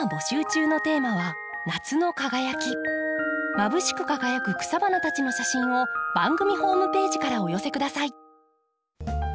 まぶしく輝く草花たちの写真を番組ホームページからお寄せ下さい。